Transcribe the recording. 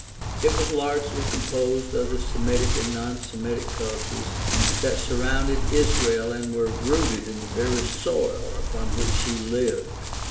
It was largely composed of the Semitic and non Semitic cultures that surrounded Israel and were rooted in the very soil upon which she lived.